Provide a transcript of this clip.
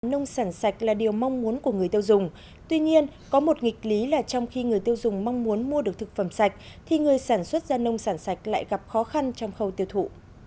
nông sản sạch là điều mong muốn của người tiêu dùng tuy nhiên có một nghịch lý là trong khi người tiêu dùng mong muốn mua được thực phẩm sạch thì người sản xuất ra nông sản sạch lại gặp khó khăn trong khâu tiêu thụ